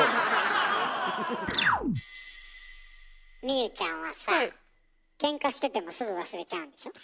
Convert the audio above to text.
望結ちゃんはさあケンカしててもすぐ忘れちゃうんでしょ？